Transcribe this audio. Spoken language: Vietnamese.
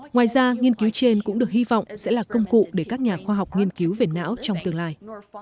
ngoài ra nghiên cứu trên cũng được hy vọng sẽ là công cụ để các nhà khoa học nghiên cứu về não trong tương lai